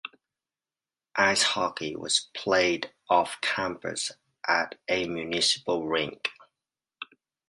Ice hockey was played off-campus at a municipal rink.